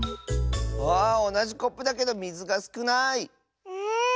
あおなじコップだけどみずがすくない！